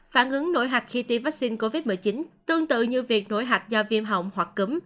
phản ứng nổi hạch khi tiêm vaccine covid một mươi chín tương tự như việc nổi hạch do viêm họng hoặc cứng